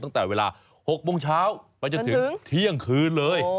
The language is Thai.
ตั้งแต่เวลา๖โมงเช้าไปจนถึงเที่ยงคืนเลย